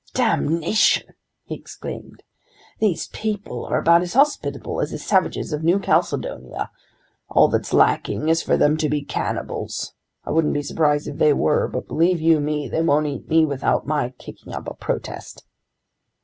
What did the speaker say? "Damnation!" he exclaimed. "These people are about as hospitable as the savages of New Caledonia! All that's lacking is for them to be cannibals! I wouldn't be surprised if they were, but believe you me, they won't eat me without my kicking up a protest!"